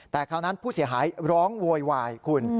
แต่คราวนั้นผู้เสียหายร้องโวยวายคุณ